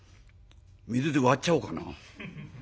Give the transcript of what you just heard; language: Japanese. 水で割っちゃおうかな？